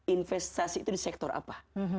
investasi itu di sektor apa